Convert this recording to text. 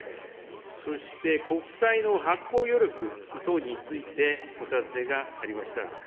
そして、国債の発行余力等についてお尋ねがありました。